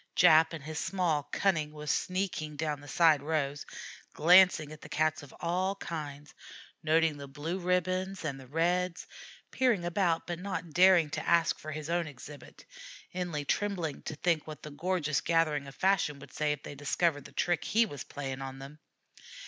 Jap, in his small cunning, was sneaking down the side rows, glancing at the Cats of all kinds, noting the blue ribbons and the reds, peering about but not daring to ask for his own exhibit, inly trembling to think what the gorgeous gathering of fashion would say if they discovered the trick he was playing on them.